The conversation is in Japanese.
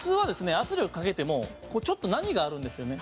圧力かけてもちょっと波があるんですよね。